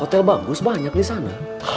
hotel bagus banyak disana